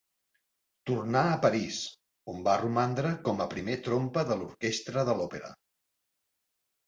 Tornà a París, on va romandre com a primer trompa de l'orquestra de l'Òpera.